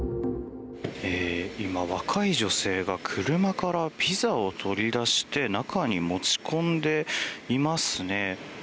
今、若い女性が車からピザを取り出して中に持ち込んでいますね。